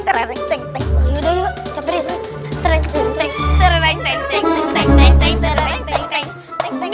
tertera tank tank